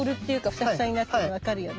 フサフサになってるの分かるよね。